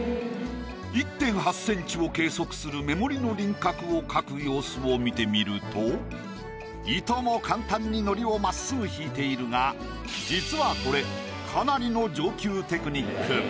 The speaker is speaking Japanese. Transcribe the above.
１．８ｃｍを計測する目盛りの輪郭を描く様子を見てみるといとも簡単に糊を真っすぐ引いているが実はこれかなりの上級テクニック。